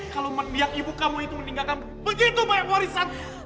kalau yang ibu kamu itu meninggalkan begitu banyak warisan